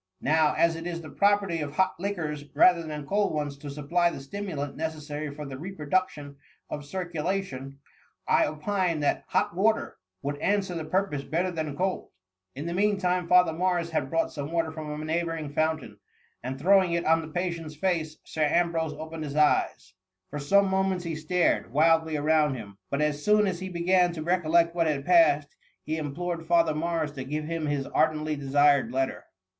Now, as it is the property of hot liquors, rather than cold ones, to supply the stimulant necessary for the reproduction of circulation, I opine that hot water would an swer the purpose better than cold." In the mean time Father Morris had brought some water from a neighbouring fountain, and throwing it on the patient^s face. Sir Ambrose opened his eyes : for some moments he stared 72 THE MUMMr. wildly around him, but, as soon as he began to recollect what had passed, he implored Father Morris to give him his ardently desired letter.